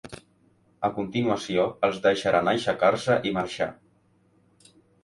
A continuació els deixaran aixecar-se i marxar.